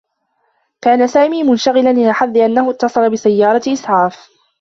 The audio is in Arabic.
كان سامي منشغلا إلى حدّ أنّه اتّصل بسيّارة إسعاف.